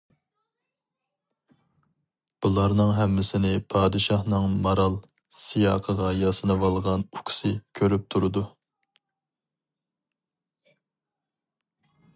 بۇلارنىڭ ھەممىسىنى پادىشاھنىڭ مارال سىياقىغا ياسىنىۋالغان ئۇكىسى كۆرۈپ تۈرىدۇ.